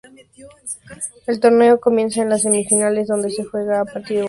El torneo comienza en las semifinales donde se juega a partido único.